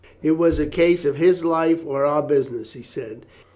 "It was a case of his life or our business," he said.